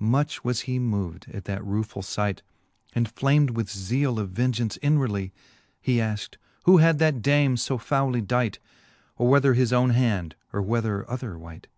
Much was he moved at that ruefull fight, And flam'd with zeale of vengeance inwardly ; He afkt, who had that dame fo fouly dight ; Or whether his owne hand, or whether other wight?